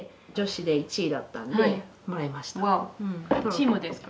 チームですか？